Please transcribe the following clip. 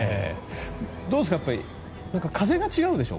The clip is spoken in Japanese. どうですか、風が違うでしょ。